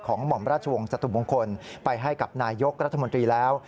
หม่อมราชวงศ์จตุมงคลไปให้กับนายกรัฐมนตรีแล้ว